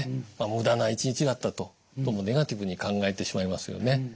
「無駄な一日だった」とネガティブに考えてしまいますよね。